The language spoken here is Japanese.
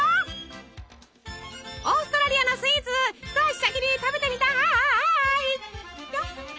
オーストラリアのスイーツ一足先に食べてみたい！